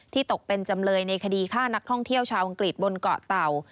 ตกเป็นจำเลยในคดีฆ่านักท่องเที่ยวชาวอังกฤษบนเกาะเต่า